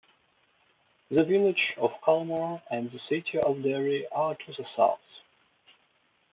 The village of Culmore and the city of Derry are to the south.